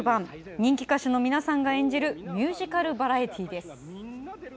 人気歌手の皆さんが演じるミュージカルバラエティーです。